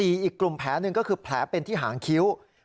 อีกกลุ่มแผลหนึ่งก็คือแผลเป็นที่หางคิ้ว